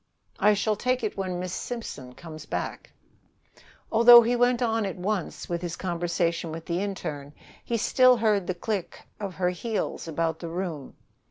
"I shall take it when Miss Simpson comes back." Although he went on at once with his conversation with the interne, he still heard the click of her heels about the room.